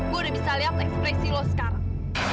gue udah bisa lihat ekspresi lo sekarang